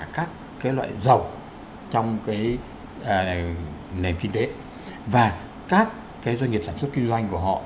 đối với cả các cái loại dầu trong cái nền kinh tế và các cái doanh nghiệp sản xuất kinh doanh của họ